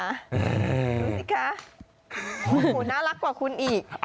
ดูสิคะโอ้โหน่ารักกว่าคุณอีก